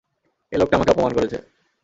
এই লোকটা আমাকে অপমান করেছে!